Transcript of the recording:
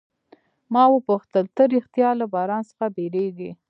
ما وپوښتل، ته ریښتیا له باران څخه بیریږې؟